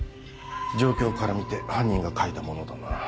状況から見て犯人が描いたものだな。